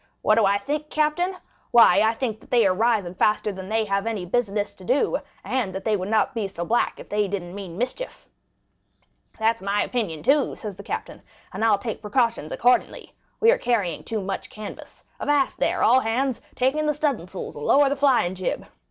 'What do I think, captain? Why I think that they are rising faster than they have any business to do, and that they would not be so black if they didn't mean mischief.'—'That's my opinion too,' said the captain, 'and I'll take precautions accordingly. We are carrying too much canvas. Avast, there, all hands! Take in the studding sails and stow the flying jib.